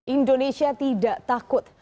indonesia tidak takut